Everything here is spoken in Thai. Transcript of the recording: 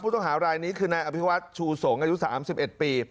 ผู้ต้องหาหลายนี้คือนายอภิวัฒน์ชูสงศ์อายุ๓๑ปี